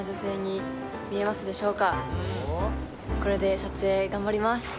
これで撮影頑張ります！